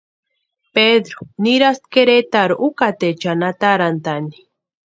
Pedru nirasti Queretarhu ukateechani atarantʼaani.